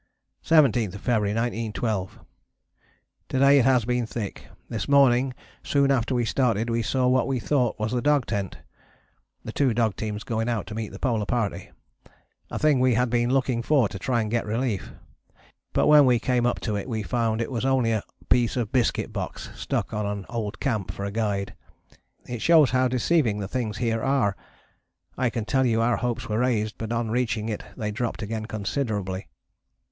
17th February 1912. To day it has been thick, this morning soon after we started we saw what we thought was the dog tent [the two dog teams going out to meet the Polar Party], a thing we had been looking for to try and get relief, but when we came up to it we found it was only a piece of biscuit box stuck on an old camp for a guide. It shows how deceiving the things here are. I can tell you our hopes were raised, but on reaching it they dropped again considerably.